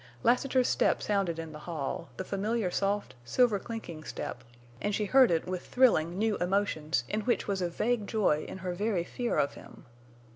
Lassiter's step sounded in the hall—the familiar soft, silver clinking step—and she heard it with thrilling new emotions in which was a vague joy in her very fear of him.